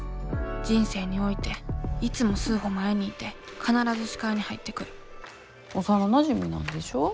人生においていつも数歩前にいて必ず視界に入ってくる幼なじみなんでしょ？